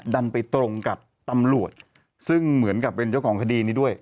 ดันไปตรงกับตำรวจซึ่งเหมือนกับเป็นเจ้าของคดีนี้ด้วย